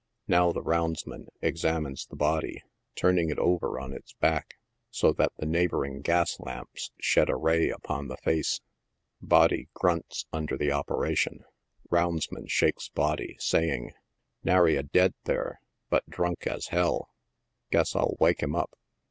Now the roundsman examines the body, turning it over on its back, so that the neighboring gas lamps shed a ray upon the face. Body grunts under the operation ; roundsman shakes body, saying, " nary a dead there, bnt drunk as h 11 ; guess I'll wake him up